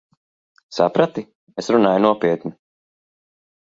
Saprati? Es runāju nopietni.